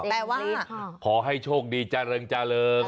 แต่ว่าขอให้โชคดีจาเริงจาเริง